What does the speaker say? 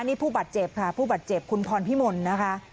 นี่ผู้บาดเจ็บค่ะผู้บาดเจ็บคุณพรพิมลนะคะ